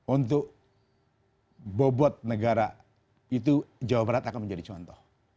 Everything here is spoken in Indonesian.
untuk bobot negara itu jawa barat akan menjadi contoh